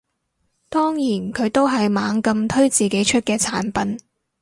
當然佢都係猛咁推自己出嘅產品